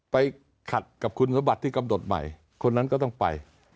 ไปขัดกับคุณสมบัติที่กำหนดใหม่คนนั้นก็ต้องไป